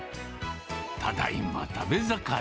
ただいま食べ盛り。